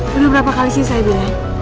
sudah berapa kali sini saya berada